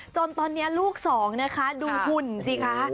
จนตอนนี้ลูกสองนะคะดูหุ่นสิคะ